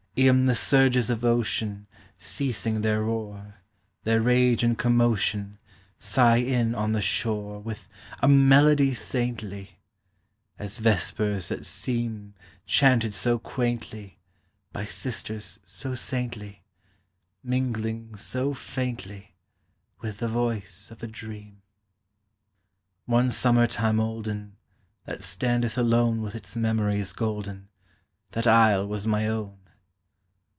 Eâen the surges of ocean, Ceasing their roar, Their rage and commotion, Sigh in on the shore With a melody saintly, As vespers that seem Chanted so quaintly, By sisters so saintly, Mingling so faintly With the voice of a dream. One summer time olden, That standeth alone With its memories golden, That isle was my own.